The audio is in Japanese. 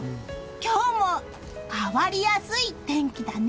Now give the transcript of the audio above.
今日も変わりやすい天気だね。